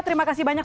terima kasih banyak